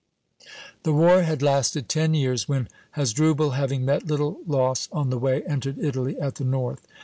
The war had lasted ten years, when Hasdrubal, having met little loss on the way, entered Italy at the north.